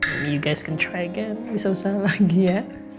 maybe you guys can try again bisa usah lagi ya